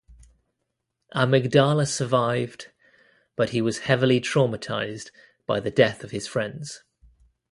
Amygdala survived, but he was heavily traumatized by the death of his friends.